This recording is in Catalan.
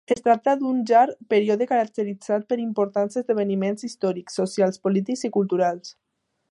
Es tracta d'un llarg període caracteritzat per importants esdeveniments històrics, socials, polítics i culturals.